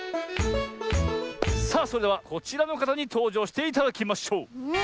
さあそれではこちらのかたにとうじょうしていただきましょう。